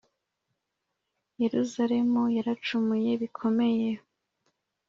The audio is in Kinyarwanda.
Yeruzalemu yaracumuye bikomeye,